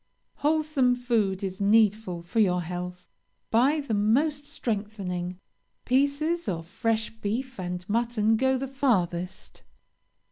"Wholesome food is needful for your health. Buy the most strengthening. Pieces of fresh beef and mutton go the farthest.